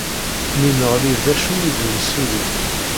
Mi neɣli d acu i d-nsuli.